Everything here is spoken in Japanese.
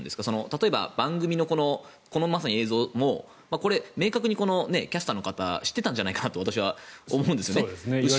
例えば、番組のこのまさに映像も明確にキャスターの方知ってたんじゃないかなと私は思うんですよね。